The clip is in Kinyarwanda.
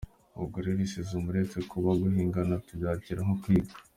ubwo rero iri suzuma uretse kuba guhigana, tubyakira nko kwiga.